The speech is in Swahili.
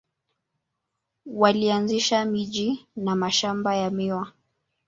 Walianzisha miji na mashamba ya miwa.